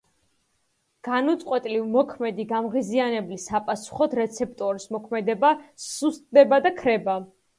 განუწყვეტლივ მოქმედი გამღიზიანებლის საპასუხოდ რეცეპტორის მოქმედება სუსტდება და ქრება.